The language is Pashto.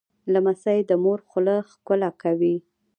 لمسی د مور خوله ښکوله کوي.